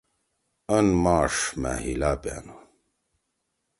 اَن ماݜ مھأ ہیلا پیانُو۔